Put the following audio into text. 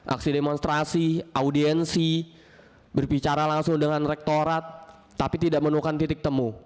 aksi demonstrasi audiensi berbicara langsung dengan rektorat tapi tidak menemukan titik temu